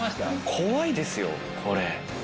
怖いですよこれ。